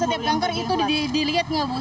setiap kanker itu dilihat nggak bu